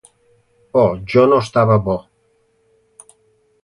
O, Jo no estava bo!